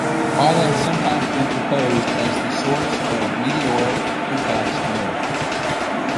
Biela has sometimes been proposed as the source of meteoric impacts on Earth.